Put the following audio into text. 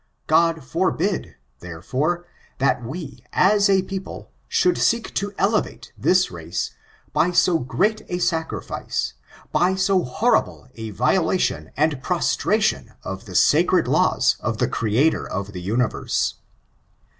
God forbid, therefore, that we as a people, should seek to elevate this race by so great a sacrifice, by so horrible a violation and prostration of the sacred laws of the Creator of the Universe.